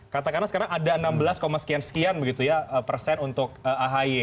katakanlah sekarang ada enam belas sekian sekian begitu ya persen untuk ahy